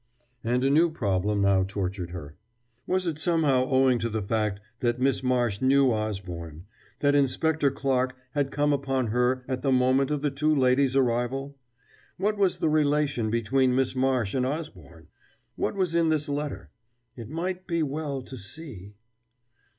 And a new problem now tortured her. Was it somehow owing to the fact that Miss Marsh knew Osborne that Inspector Clarke had come upon her at the moment of the two ladies' arrival? What was the relation between Miss Marsh and Osborne? What was in this letter? It might be well to see....